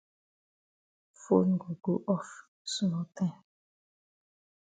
Fone go go off small time.